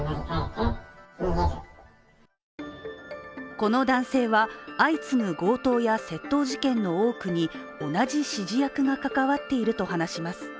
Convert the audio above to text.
この男性は、相次ぐ強盗や窃盗事件の多くに同じ指示役が関わっていると話します。